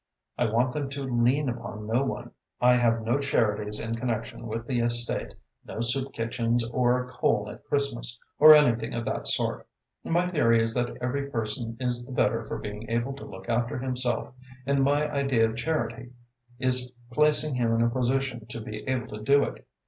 I want them to lean upon no one. I have no charities in connection with the estate, no soup kitchens or coal at Christmas, or anything of that sort. My theory is that every person is the better for being able to look after himself, and my idea of charity is placing him in a position to be able to do it.